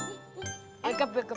hidup hidup hidup